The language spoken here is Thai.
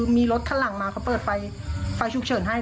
มีรถข้างหลังมาเขาเปิดไฟไฟฉุกเฉินให้